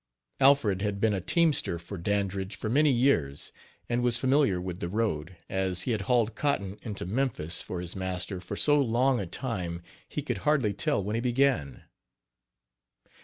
Alfred had been a teamster for Dandridge for many years, and was familiar with the road, as he had hauled cotton into Memphis for his master for so long a time he could hardly tell when he began.